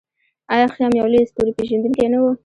آیا خیام یو لوی ستورپیژندونکی نه و؟